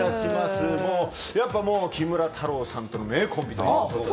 やっぱり、木村太郎さんとのコンビということで。